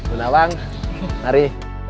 udah bang mari